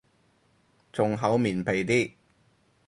仲厚面皮啲